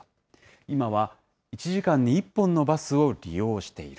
今は１時間に１本のバスを利用している。